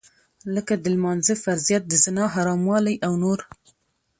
لکه د لمانځه فرضيت د زنا حراموالی او نور.